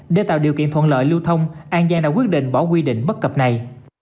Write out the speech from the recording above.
để tạo điều kiện thuận lợi lưu thông an giang đã quyết định bỏ quy định bất cập này